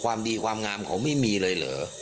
ความดีความงามเขาไม่มีเลยเหรอ